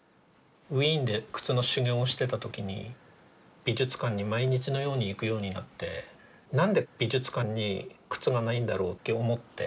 ウィーンで靴の修業をしてた時に美術館に毎日のように行くようになって何で美術館に靴がないんだろうって思って。